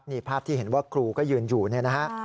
นี่ภาพที่เห็นว่าครูก็ยืนอยู่เนี่ยนะฮะ